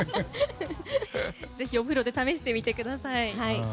ぜひお風呂で試してみてください。